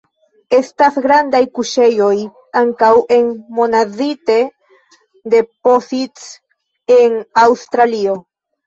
Estas grandaj kuŝejoj ankaŭ en monazite deposits en Aŭstralio.